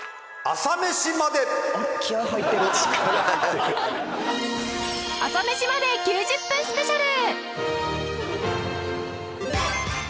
『朝メシまで。』９０分スペシャル